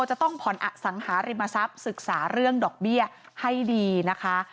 จะต้องผ่อนอสังหาริมทรัพย์ศึกษาเรื่องดอกเบี้ยให้ดีนะคะ